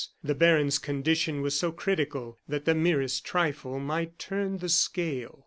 The baron's condition was so critical that the merest trifle might turn the scale.